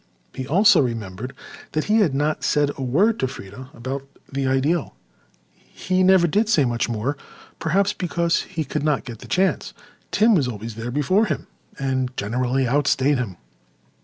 He also remembered that he had not said a word to Freda about the Ideal. And he never did say much more—perhaps because he could not get the chance. Tim was always there before him and generally outstayed him.